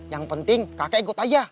yang penting kakek ikut aja